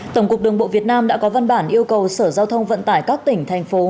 tổng cục đường bộ việt nam đã có văn bản yêu cầu sở giao thông vận tải các tỉnh thành phố